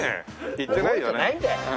行ってないよね。